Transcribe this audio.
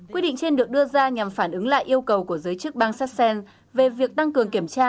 quyết định trên được đưa ra nhằm phản ứng lại yêu cầu của giới chức bang sassen về việc tăng cường kiểm tra